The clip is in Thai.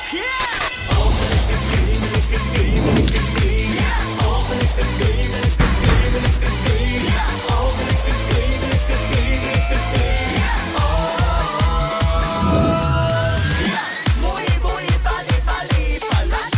๖ปีควรได้รับคำแนะนำของจัดการไม่ได้